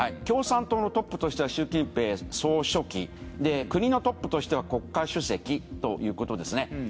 共産党のトップとしては習近平総書記国のトップとしては国家主席ということですね。